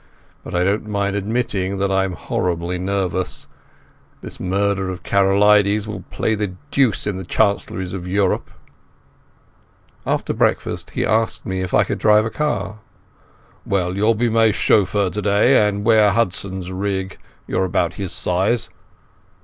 But I don't mind admitting that I'm horribly nervous. This murder of Karolides will play the deuce in the chancelleries of Europe." After breakfast he asked me if I could drive a car. "Well, you'll be my chauffeur today and wear Hudson's rig. You're about his size.